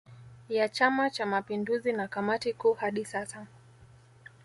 Ya chama cha mapinduzi na kamati kuu hadi sasa